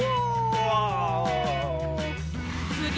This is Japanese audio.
うわ！